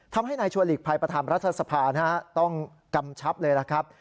ทำให้นายชวลิกภัยประธามรัฐศพาต้องกำชับเลยนะครับ